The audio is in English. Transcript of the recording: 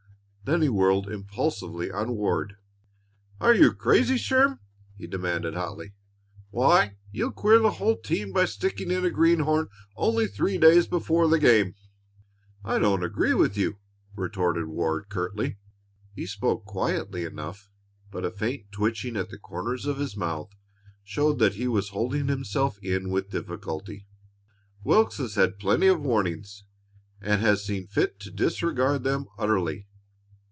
Then he whirled impulsively on Ward. "Are you crazy, Sherm?" he demanded hotly. "Why, you'll queer the whole team by sticking in a greenhorn only three days before the game." "I don't agree with you," retorted Ward, curtly. He spoke quietly enough, but a faint twitching at the corners of his mouth showed that he was holding himself in with difficulty. "Wilks has had plenty of warnings, and has seen fit to disregard them utterly.